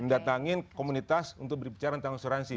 mendatangi komunitas untuk berbicara tentang asuransi